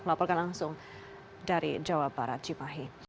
melaporkan langsung dari jawa barat cimahi